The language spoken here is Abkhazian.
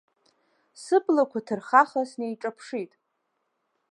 Сыблақәа ҭырхаха снеиҿаԥшит.